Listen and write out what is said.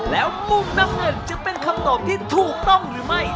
แล้วมุมน้ำเงินจะเป็นคำตอบที่ถูกต้องหรือไม่